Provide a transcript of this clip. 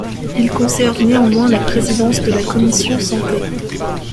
Il conserve néanmoins la présidence de la commission santé.